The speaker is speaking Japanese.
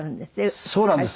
そうなんです。